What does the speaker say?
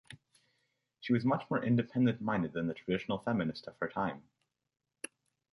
She was much more independent-minded than the traditional feminist of her time.